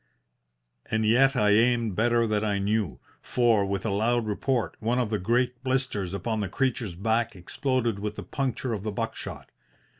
And yet I aimed better than I knew, for, with a loud report, one of the great blisters upon the creature's back exploded with the puncture of the buck shot.